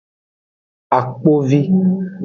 Akpovi.